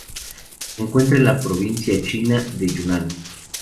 Se encuentra en la provincia china de Yunnan.